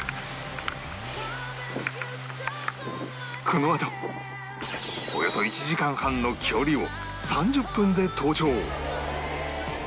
このあとおよそ１時間半の距離を３０分で登頂